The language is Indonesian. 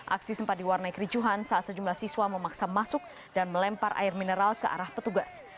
aksi sempat diwarnai kericuhan saat sejumlah siswa memaksa masuk dan melempar air mineral ke arah petugas